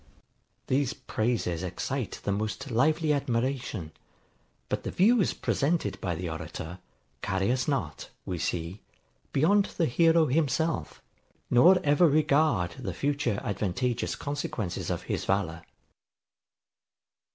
These praises excite the most lively admiration; but the views presented by the orator, carry us not, we see, beyond the hero himself, nor ever regard the future advantageous consequences of his valour.